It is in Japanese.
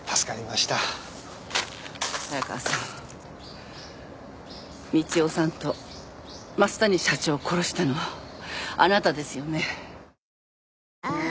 早川さん道夫さんと増谷社長を殺したのはあなたですよね？